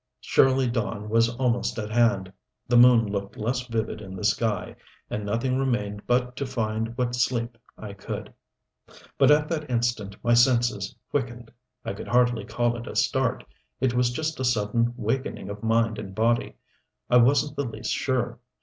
Surely dawn was almost at hand. The moon looked less vivid in the sky. And nothing remained but to find what sleep I could. But at that instant my senses quickened. I could hardly call it a start it was just a sudden wakening of mind and body. I wasn't the least sure....